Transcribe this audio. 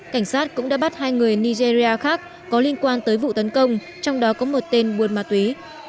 cảnh sát cũng đã bắt hai người nigeria khác có liên quan tới vụ tấn công trong đó có một tên buồn ma túy